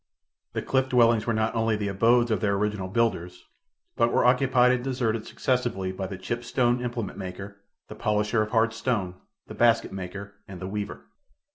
The cliff dwellings were not only the abodes of their original builders, but were occupied and deserted successively by the chipped stone implement maker, the polisher of hard stone, the basket maker and the weaver.